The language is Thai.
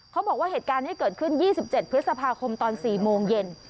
เขาบอกว่าเหตุการณ์นี้เกิดขึ้น๒๗พฤษภาคมตอน๔โมงเย็น